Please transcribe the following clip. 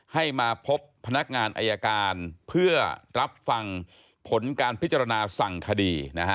ให้มาพบพนักงานอายการเพื่อรับฟังผลการพิจารณาสั่งคดีนะฮะ